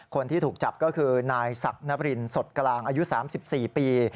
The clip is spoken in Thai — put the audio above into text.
คนที่ถูกจับก็คือนายศักดิ์นบรินสดกลางอายุ๓๔ปี